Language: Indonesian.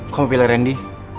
kamu pilih randy